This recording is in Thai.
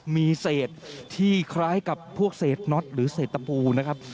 มีเศษที่คล้ายกับพวกเศษน็อตหรือเศษตะปูนะครับ